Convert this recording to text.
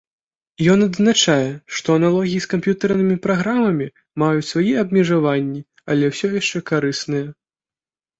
Ён адзначае, што аналогіі з камп'ютарнымі праграмамі маюць свае абмежаванні, але ўсё яшчэ карысныя.